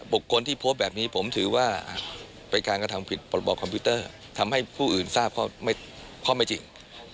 บุคคลที่โพสต์แบบนี้ผมถือว่าเป็นการกระทำผิดพรบคอมพิวเตอร์ทำให้ผู้อื่นทราบข้อไม่จริง